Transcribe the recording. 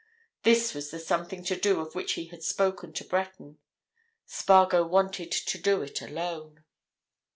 This was the something to do of which he had spoken to Breton: Spargo wanted to do it alone.